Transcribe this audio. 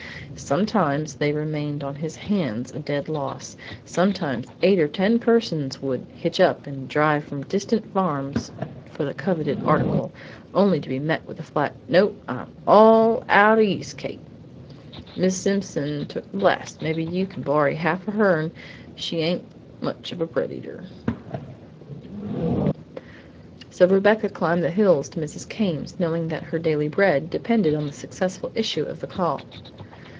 Sometimes they remained on his hands a dead loss; sometimes eight or ten persons would "hitch up" and drive from distant farms for the coveted article, only to be met with the flat, "No, I'm all out o' yeast cake; Mis' Simmons took the last; mebbe you can borry half o' hern, she hain't much of a bread eater." So Rebecca climbed the hills to Mrs. Came's, knowing that her daily bread depended on the successful issue of the call.